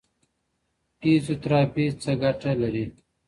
فزیوتراپي څه ګټه لري؟